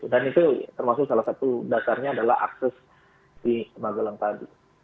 dan itu termasuk salah satu dasarnya adalah akses di magelang tadi